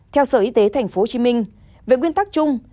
theo sở y tế tp hcm về nguyên tắc chung